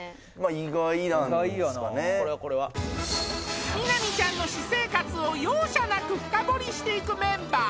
意外やな美波ちゃんの私生活を容赦なく深掘りしていくメンバー